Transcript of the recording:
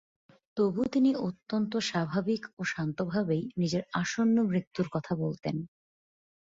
তবু, তিনি অত্যন্ত স্বাভাবিক ও শান্তভাবেই নিজের আসন্ন মৃত্যুর কথা বলতেন।